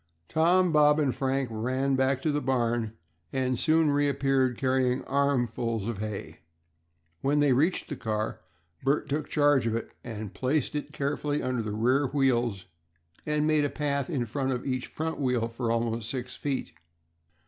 Tom, Bob, and Frank ran back to the barn and soon reappeared, carrying armfuls of hay. When they reached the car Bert took charge of it, and placed it carefully under the rear wheels, and made a path in front of each wheel for about six feet.